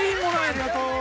ありがとう。